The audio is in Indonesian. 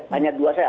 hanya dua saya